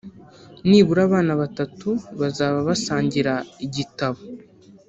nibura abana batatu bazaba basangira igitabo